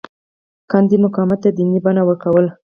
ګاندي مقاومت ته دیني بڼه ورکوله.